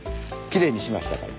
きれいにしましたから。